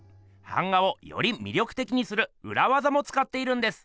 版画をより魅力的にするうらわざもつかっているんです！